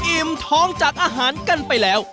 อิ่มท้องจากอาหารกันไปแล้ว